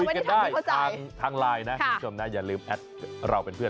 กันได้ทางไลน์นะคุณผู้ชมนะอย่าลืมแอดเราเป็นเพื่อน